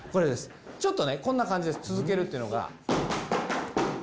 ちょっとこんな感じです続けるっていうのが。